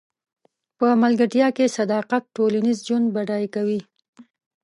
په ملګرتیا کې صداقت ټولنیز ژوند بډای کوي.